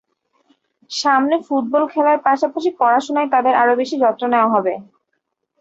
সামনে ফুটবল খেলার পাশাপাশি পড়াশোনায় তাদের আরও বেশি যত্ন নেওয়া হবে।